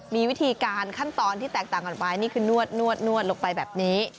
มีวิธีการขั้นตอนที่แตกต่างกันไปนี่คือนวดลงไปแบบนี้